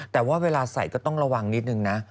แต่ว่าเวลาใส่ก็ต้องระวังนิดนึงนะ